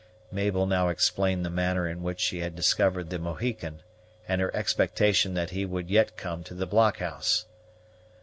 Mabel now explained the manner in which she had discovered the Mohican, and her expectation that he would yet come to the blockhouse.